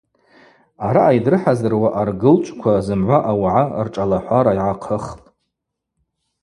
Араъа йдрыхӏазыруа аргылчӏвква зымгӏва ауагӏа ршӏалахӏвара йгӏахъыхпӏ.